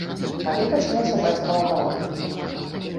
Тады пачалася бацькава гаворка.